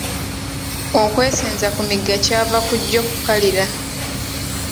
Okwesenza ku migga kyava ku gyo kukalira.